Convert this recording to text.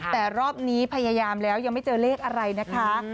แต่รอบนี้พยายามแล้วยังไม่เจอเลขอะไรนะคะ